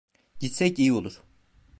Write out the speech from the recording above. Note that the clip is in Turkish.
Gitsek iyi olur.